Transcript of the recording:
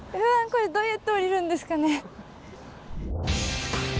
これどうやって降りるんですかね。